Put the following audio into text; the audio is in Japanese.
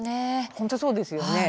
本当、そうですよね。